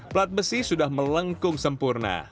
plat besi sudah melengkung sempurna